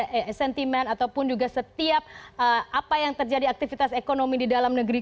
dari sentimen ataupun juga setiap apa yang terjadi aktivitas ekonomi di dalam negeri